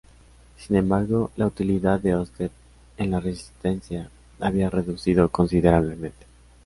Sin embargo, la utilidad de Oster en la resistencia se había reducido considerablemente.